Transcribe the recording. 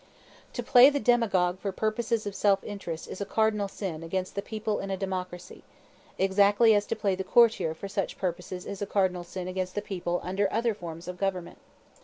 To play the demagogue for purposes of self interest is a cardinal sin against the people in a democracy, exactly as to play the courtier for such purposes is a cardinal sin against the people under other forms of government.